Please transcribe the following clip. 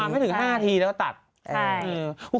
เข้าทั้งประมาณไม่ถึง๕อาทีก็ตัด